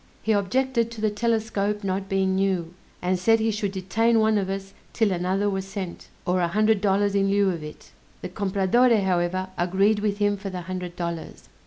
He objected to the telescope not being new; and said he should detain one of us 'till another was sent, or a hundred dollars in lieu of it. The Compradore however agreed with him for the hundred dollars.